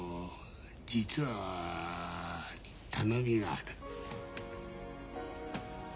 実は頼みがある。